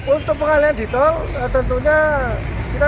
untuk pengalian di tol tentunya kita